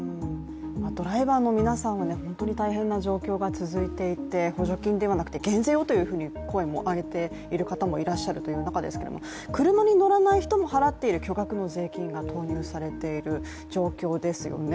ドライバーの皆さんは本当に大変な状況が続いていて補助金ではなくて減税をという声を上げている方もいらっしゃるという中ですけど車に乗らない人も払っている巨額の税金が投入されている状況ですよね。